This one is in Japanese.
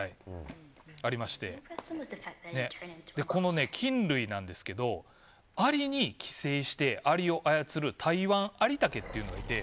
この菌類なんですがアリに寄生して、アリを操るタイワンアリタケというのがいて。